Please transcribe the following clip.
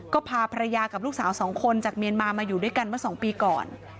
ก็พาภรรยากับลูกสาวสองคนจากเมียนมามาอยู่ด้วยกันเมื่อ๒ปีก่อน